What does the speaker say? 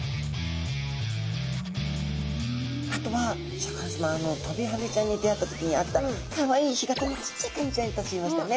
あとはシャーク香音さまトビハゼちゃんに出会った時に会ったかわいい干潟のちっちゃいカニちゃんたちいましたね。